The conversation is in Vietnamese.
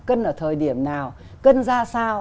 cân ở thời điểm nào cân ra sao